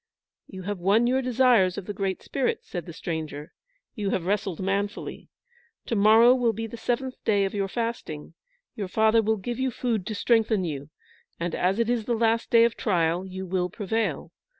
"You have won your desires of the Great Spirit," said the stranger. "You have wrestled manfully. To morrow will be the seventh day of your fasting, your father will give you food to strengthen you, and as it is the last day of trial, you will prevail.